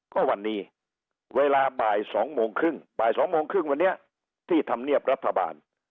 ก็วันนี้เวลาบ่าย๒โมงครึ่งบ่าย๒โมงครึ่งวันนี้ที่ธรรมเนียบรัฐบาล